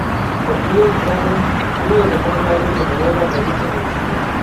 El río Drammen, uno de los más largos de Noruega, atraviesa el municipio.